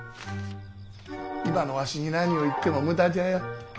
今のわしに何を言っても無駄じゃよ。